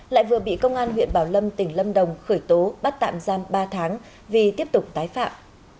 lại vừa bị công an huyện bảo lâm tỉnh lâm đồng khởi tố bắt tạm giam ba tháng vì tiếp tục tái phạm